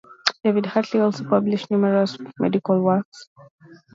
David Hartley also published numerous medical works.